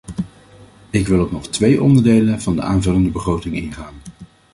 Ik wil op nog twee onderdelen van de aanvullende begroting ingaan.